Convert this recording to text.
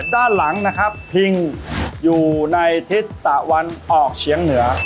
ด้านหลังนะครับพิงอยู่ในทิศตะวันออกเฉียงเหนือ